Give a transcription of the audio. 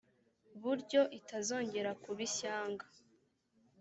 buryo itazongera kuba ishyanga